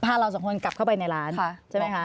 เราสองคนกลับเข้าไปในร้านใช่ไหมคะ